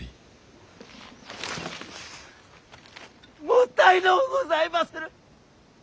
もったいのうございまする。